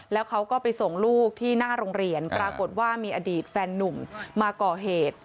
แล้วเขาก็ไปส่งลูกที่หน้าโรงเรียนปรากฏว่ามีอดีตแฟนนุ่มมาก่อเหตุ